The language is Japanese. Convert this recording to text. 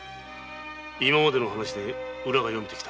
今までの話でウラが読めてきた。